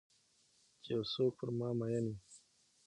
چې یو څوک پر مامین وي